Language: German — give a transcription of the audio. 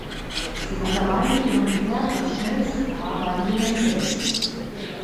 Sie war dabei mit ihrem Pferd das schnellste Paar beim Geländeritt.